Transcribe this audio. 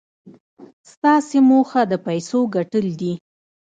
ستاسې موخه د پيسو ګټل دي.